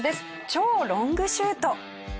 超ロングシュート。